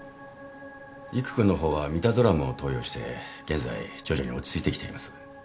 理玖君の方はミダゾラムを投与して現在徐々に落ち着いてきています。